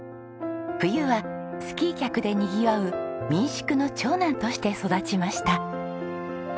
冬はスキー客でにぎわう民宿の長男として育ちました。